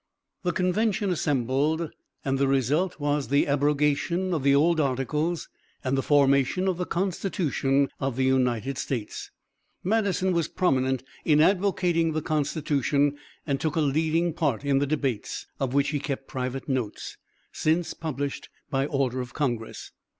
The convention assembled and the result was the abrogation of the old articles and the formation of the Constitution of the United States. Madison was prominent in advocating the Constitution and took a leading part in the debates, of which he kept private notes, since published by order of congress.